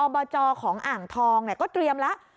บจของอ่างทองก็เตรียมแล้ว